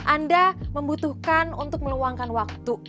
anda membutuhkan untuk meluangkan waktu